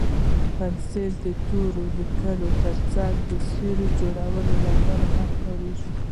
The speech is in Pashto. پنسل د تورو او لیکلو تر څنګ د سیوري جوړولو لپاره هم کارېږي.